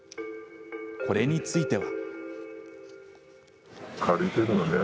これについては。